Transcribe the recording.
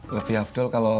lebih afdal kalau